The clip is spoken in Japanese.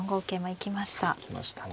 行きましたね。